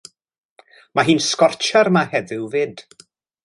Ma hi'n sgortshar 'ma heddiw fyd.